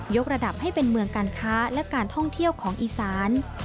กระดับให้เป็นเมืองการค้าและการท่องเที่ยวของอีสาน